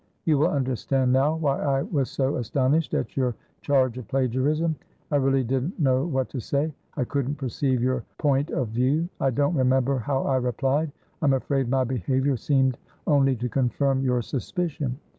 You will understand now why I was so astonished at your charge of plagiarism. I really didn't know what to say; I couldn't perceive your point of view: I don't remember how I replied, I'm afraid my behaviour seemed only to confirm your suspicion.